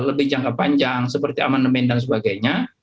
lebih jangka panjang seperti amandemen dan sebagainya